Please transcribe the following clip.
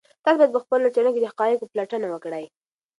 تاسو باید په خپلو څېړنو کې د حقایقو پلټنه وکړئ.